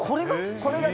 これが？